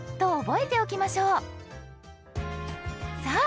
さあ